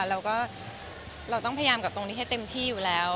เราต้องพยายามกับตรงนี้ให้เต็มที่อยู่แล้ว